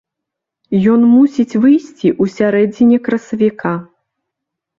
Ён мусіць выйсці ў сярэдзіне красавіка.